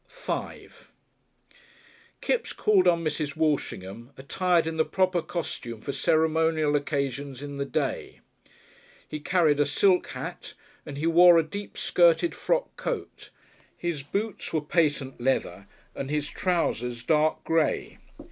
§5 Kipps called on Mrs. Walshingham, attired in the proper costume for ceremonial Occasions in the Day. He carried a silk hat, and he wore a deep skirted frock coat, his boots were patent leather and his trousers dark grey.